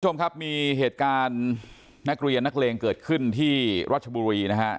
คุณผู้ชมครับมีเหตุการณ์นักเรียนนักเลงเกิดขึ้นที่รัชบุรีนะฮะ